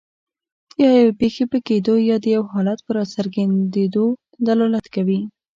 یا یوې پېښې په کیدو یا د یو حالت په راڅرګندیدو دلالت کوي.